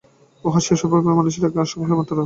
উহা সেই সর্বব্যাপী মনের এক অংশমাত্র।